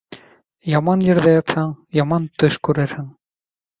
Яман ерҙә ятһаң, яман төш күрерһең